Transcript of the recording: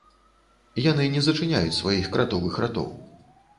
Яны не зачыняюць сваіх кратовых ратоў.